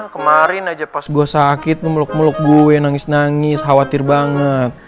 kemarin aja pas gue sakit lo meluk meluk gue nangis nangis khawatir banget